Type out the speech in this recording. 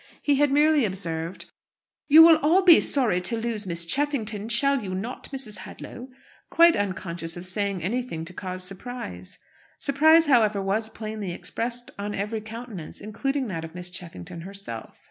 He had merely observed, "You will all be sorry to lose Miss Cheffington, shall you not, Mrs. Hadlow?" quite unconscious of saying anything to cause surprise. Surprise, however, was plainly expressed on every countenance, including that of Miss Cheffington herself.